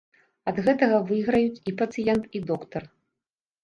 Ад гэтага выйграюць і пацыент, і доктар.